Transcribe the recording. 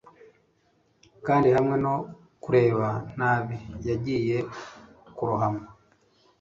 kandi hamwe no kureba nabi yagiye kurohama